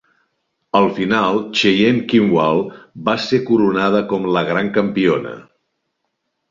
Al final, Cheyenne Kimball va ser coronada com la gran campiona.